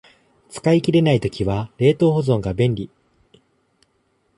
使い切れない時は冷凍保存が便利